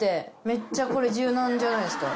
めっちゃこれ柔軟じゃないですか？